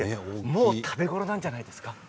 もう食べ頃なんじゃないですか？